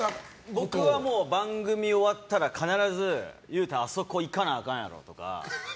僕は番組終わったら必ず、裕太あそこ行かなあかんやろ、とか。